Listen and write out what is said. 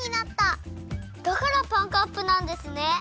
だからパンカップなんですね！